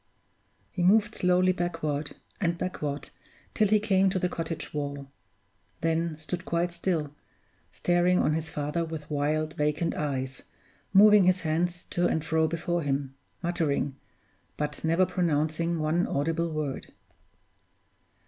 He moved slowly backward and backward till he came to the cottage wall then stood quite still, staring on his father with wild, vacant eyes, moving his hands to and fro before him, muttering, but never pronouncing one audible word.